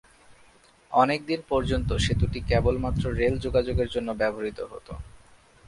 অনেকদিন পর্যন্ত সেতুটি কেবলমাত্র রেল যোগাযোগের জন্য ব্যবহৃত হতো।